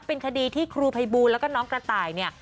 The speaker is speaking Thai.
เป็นคดีที่ครูภัยบูลแล้วก็น้องกระต่ายเนี่ย